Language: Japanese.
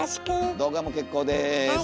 動画も結構です。